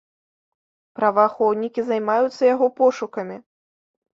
Праваахоўнікі займаюцца яго пошукамі.